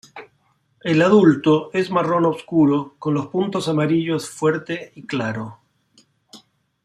El adulto es marrón obscuro con los puntos amarillos fuerte y claro.